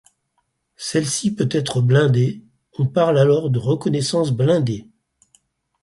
Celle-ci peut être blindée, on parle alors de reconnaissance blindée.